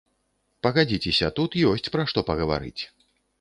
Пагадзіцеся, тут ёсць пра што пагаварыць.